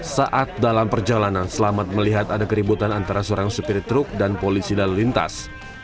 saat dalam perjalanan selamat melihat ada keributan antara seorang supir truk dan polisi lalu lintas